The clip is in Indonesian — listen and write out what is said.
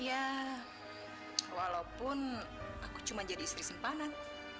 ya walaupun aku cuma jadi istri simpanan